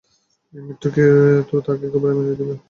এই মৃত্যু তো তাকে একেবারেই মেরে দিলো।